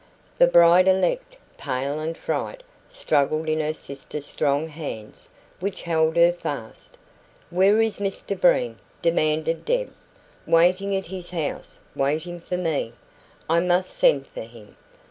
The bride elect, pale with fright, struggled in her sister's strong hands, which held her fast. "Where is Mr Breen?" demanded Deb. "Waiting at his house waiting for me " "I must send for him."